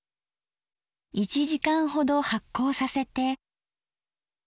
１時間ほど発酵させて。